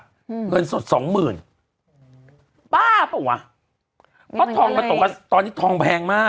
เงินสดสองหมื่นบ้าเปล่าวะเพราะทองมันตกกันตอนนี้ทองแพงมาก